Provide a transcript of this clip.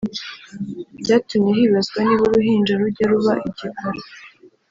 byatumye hibazwa niba uruhinja rujya ruba igikara